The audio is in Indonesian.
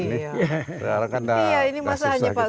ini masih hanya pak suwari sendiri yang kelihatannya tertarik pada